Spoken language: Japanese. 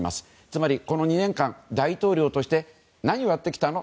つまり、この２年間大統領として何をやってきたの？